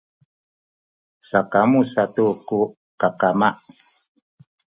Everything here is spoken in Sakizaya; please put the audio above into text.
sakamu satu ku kakama